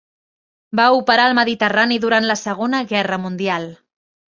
Va operar al Mediterrani durant la Segona Guerra Mundial.